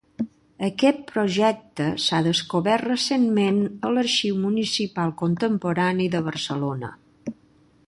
Aquest projecte s'ha descobert recentment a l'Arxiu Municipal Contemporani de Barcelona.